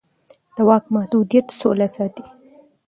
د واک محدودیت سوله ساتي